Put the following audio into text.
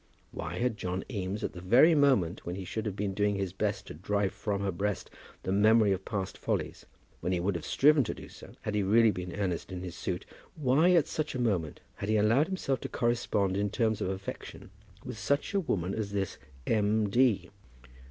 Why had John Eames, at the very moment when he should have been doing his best to drive from her breast the memory of past follies, when he would have striven to do so had he really been earnest in his suit, why at such a moment had he allowed himself to correspond in terms of affection with such a woman as this M. D.?